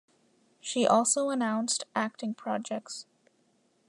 She also announced acting projects.